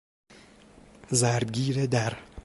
ضرب گیر در